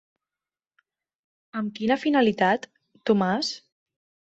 Amb quina finalitat, Tomàs?